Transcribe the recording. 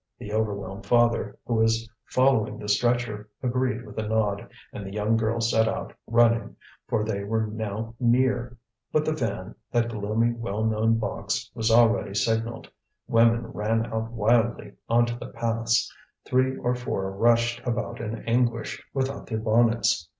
The overwhelmed father, who was following the stretcher, agreed with a nod; and the young girl set out running, for they were now near. But the van, that gloomy well known box, was already signalled. Women ran out wildly on to the paths; three or four rushed about in anguish, without their bonnets.